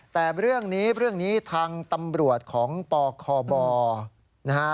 แต่เรื่องนี้เรื่องนี้ทางตำรวจของปคบนะฮะ